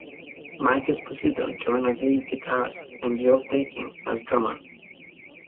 Mike Esposito joined as lead guitarist and Geoff Daking as drummer.